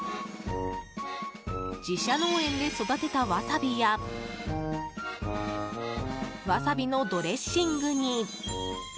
自社農園で育てたワサビやワサビのドレッシングに。